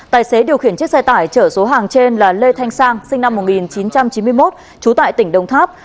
tài xế điều khiển chiếc xe tải chở số hàng trên là lê thanh sang sinh năm một nghìn chín trăm chín mươi một trú tại tỉnh đồng tháp